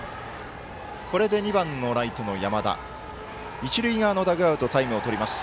これで２番のライトの山田一塁側のダグアウトタイムをとります。